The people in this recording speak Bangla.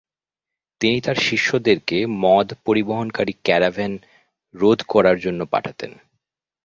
তিনি তার শিষ্যদেরকে মদ পরিবহনকারী ক্যারাভেন রোধ করার জন্য পাঠাতেন।